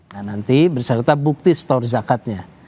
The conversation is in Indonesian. nah nanti berserta bukti stor zakatnya